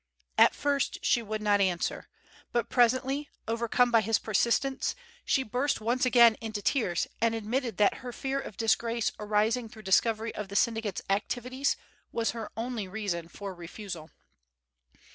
At first she would not answer, but presently, overcome by his persistence, she burst once again into tears and admitted that her fear of disgrace arising through discovery of the syndicate's activities was her only reason for refusal.